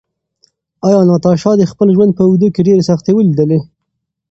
ایا ناتاشا د خپل ژوند په اوږدو کې ډېرې سختۍ ولیدلې؟